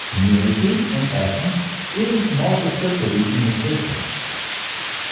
Unity in essence is multiplicity in existence.